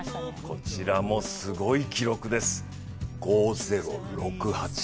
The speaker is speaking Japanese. こちらもすごい記録です。